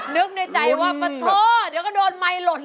นึกในใจว่าปะโทษเดี๋ยวก็โดนไมค์หล่น